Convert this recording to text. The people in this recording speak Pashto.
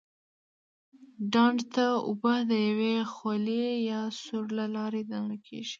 ډنډ ته اوبه د یوې خولې یا سوري له لارې دننه کېږي.